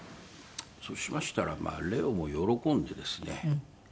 そうしましたらレオも喜んでですね。